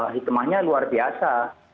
hitamannya luar biasa